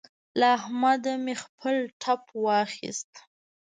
له احمده مې خپل ټپ واخيست.